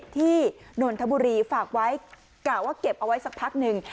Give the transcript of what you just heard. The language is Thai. ที่นวลธบุรีฝากไว้กล่าวว่าเก็บเอาไว้สักพักหนึ่ง